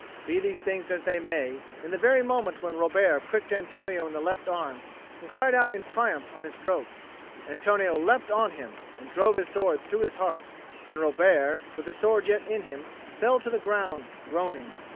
Be these things as they may, in the very moment when Robert pricked Antonio in the left arm and cried out in triumph on his stroke, Antonio leapt on him and drove his sword through his heart; and Robert, with the sword yet in him, fell to the ground, groaning.